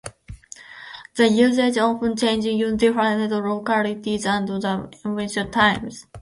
The usage often changes with different localities and at different times.